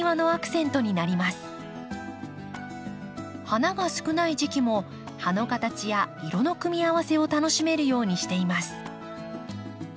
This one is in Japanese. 花が少ない時期も葉の形や色の組み合わせを楽しめるようにしています。